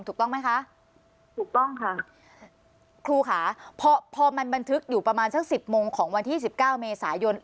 ถูกต้องไหมคะถูกต้องค่ะครูค่ะพอพอมันบันทึกอยู่ประมาณสักสิบโมงของวันที่สิบเก้าเมษายน